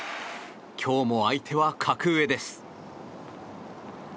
今日も相手は格上です。